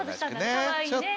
かわいいね。